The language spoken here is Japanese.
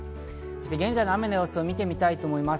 現在の雨の様子を見てみたいと思います。